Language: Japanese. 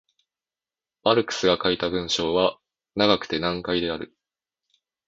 マルクスが書いた文章は長くて難解である。